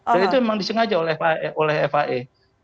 dan itu memang disengaja oleh fia